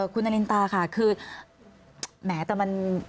คุณนารินตาค่ะคือแหมแต่มัน